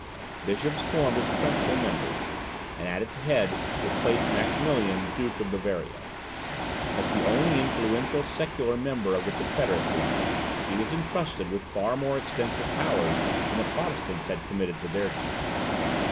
Bishops formed its principal members, and at its head was placed Maximilian, Duke of Bavaria. As the only influential secular member of the confederacy, he was entrusted with far more extensive powers than the Protestants had committed to their chief.